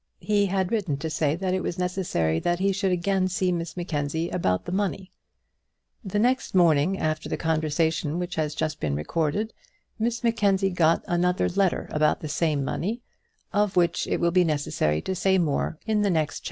He had written to say that it was necessary that he should again see Miss Mackenzie about the money. The next morning after the conversation which has just been recorded, Miss Mackenzie got another letter about the same money, of which it will be necessary to say more in the next chapter.